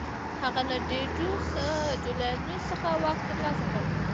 هغه له ډیډیوس جولیانوس څخه واک ترلاسه کړ